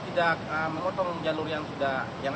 tidak mengotong jalur yang